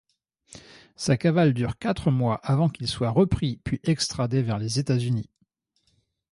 Sa cavale dure quatre mois avant qu'il soit repris puis extradé vers les États-Unis.